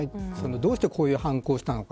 どうしてこういう犯行をしたのか。